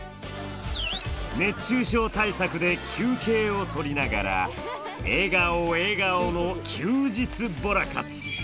熱中症対策で休憩を取りながら笑顔笑顔の休日ボラ活。